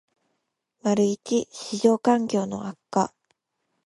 ① 市場環境の悪化